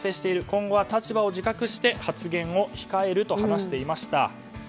今後は立場を自覚して発言を控えると話していました。